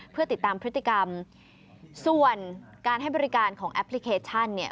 เพื่อติดตามพฤติกรรมส่วนการให้บริการของแอปพลิเคชันเนี่ย